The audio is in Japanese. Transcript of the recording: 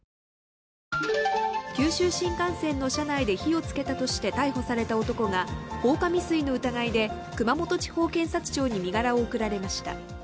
九州新幹線の車内で火をつけたとして逮捕された男が放火未遂の疑いで熊本地方検察庁に身柄を送られました。